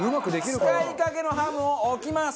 使いかけのハムを置きます。